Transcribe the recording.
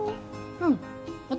うん私